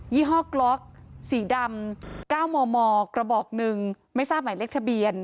ี่ห้อกล็อกสีดำ๙มมกระบอกหนึ่งไม่ทราบหมายเลขทะเบียน